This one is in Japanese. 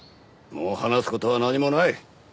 もう話す事は何もない。